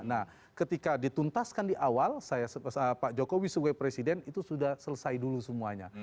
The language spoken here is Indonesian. nah ketika dituntaskan di awal pak jokowi sebagai presiden itu sudah selesai dulu semuanya